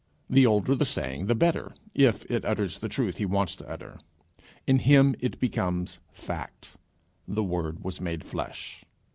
The older the saying the better, if it utters the truth he wants to utter. In him it becomes fact: The Word was made flesh.